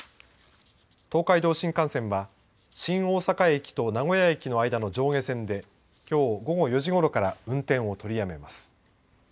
東海道新幹線は新大阪駅と名古屋駅の間の上下線できょう午後４時ごろから運転を取りやめます。